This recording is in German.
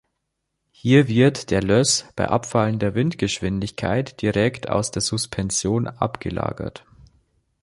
Hier wird der Löss bei abfallender Windgeschwindigkeit direkt aus der Suspension abgelagert.